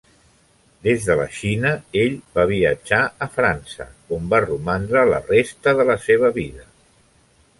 Des de la Xina, ell va viatjar a França, on va romandre la resta de la seva vida.